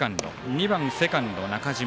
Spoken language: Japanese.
２番、セカンド、中島。